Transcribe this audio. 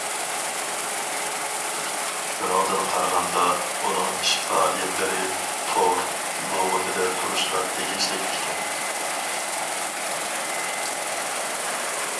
شۇنىڭدىن قارىغاندا، ئۇنىڭ ئىش-پائالىيەتلىرى تور لۇغىتىدە تۇرۇشقا تېگىشلىك ئىكەن.